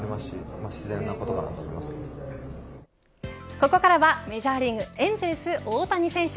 ここからはメジャーリーグエンゼルス大谷選手。